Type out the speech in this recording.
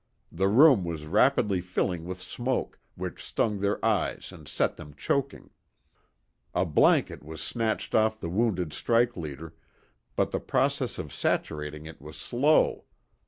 The room was rapidly filling with smoke, which stung their eyes and set them choking. A blanket was snatched off the wounded strike leader, but the process of saturating it was slow.